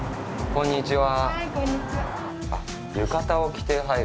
こんにちは。